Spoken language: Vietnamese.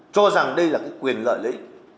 cho rằng đây là quyền lợi lý